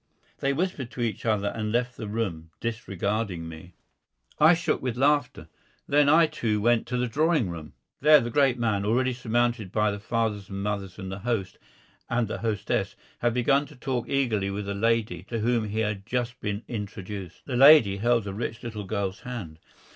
They whispered to each other and left the room, disregarding me. I shook with laughter. Then I, too, went to the drawing room. There the great man, already surrounded by the fathers and mothers and the host and the hostess, had begun to talk eagerly with a lady to whom he had just been introduced. The lady held the rich little girl's hand.